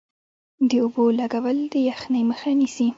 د اوبو لګول د یخنۍ مخه نیسي؟